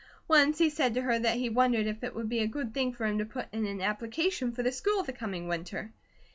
Once he said to her that he wondered if it would be a good thing for him to put in an application for the school the coming winter.